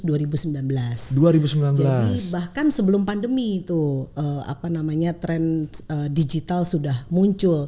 jadi bahkan sebelum pandemi itu apa namanya tren digital sudah muncul